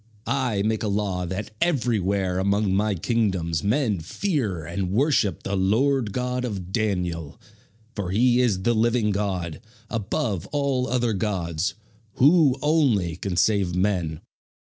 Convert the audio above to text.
I make a law that everywhere among my kingdoms men fear and worship the Lord God of Daniel; for he is the living God, above all other gods, who only can save men."